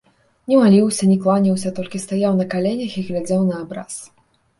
Не маліўся, не кланяўся, толькі стаяў на каленях і глядзеў на абраз.